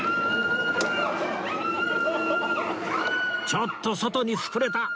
ちょっと外に膨れた！